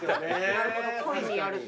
なるほど故意にやると。